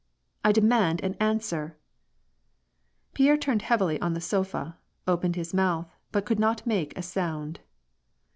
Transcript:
I demand an answer !" Pierre turned heavily on the sofa, opened his mouth, bat could not make a sound.